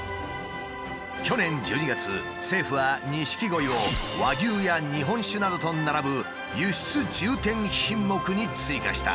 去年１２月政府は錦鯉を和牛や日本酒などと並ぶ輸出重点品目に追加した。